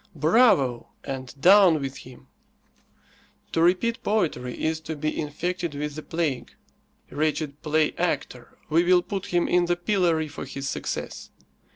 "Bravo!" and "Down with him!" To repeat poetry is to be infected with the plague. Wretched playactor, we will put him in the pillory for his success.